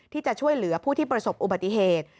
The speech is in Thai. ที่จะช่วยเหลือผู้ที่ประสบอุบัติเหตุ